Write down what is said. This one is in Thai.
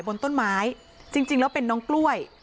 บนต้นไม้จริงแล้วเป็นน้องกล้วย